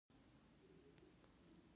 زموږ ښارونه پاخه سړکان نه لري.